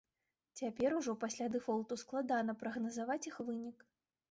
Цяпер ужо, пасля дэфолту, складана прагназаваць іх вынік.